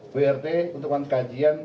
brt untuk melakukan kajian